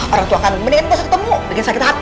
orang tua kandung beneran gak usah ketemu bikin sakit hati